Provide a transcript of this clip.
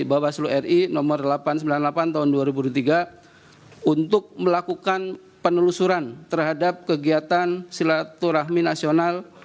bawaslu ri nomor delapan ratus sembilan puluh delapan tahun dua ribu dua puluh tiga untuk melakukan penelusuran terhadap kegiatan silaturahmi nasional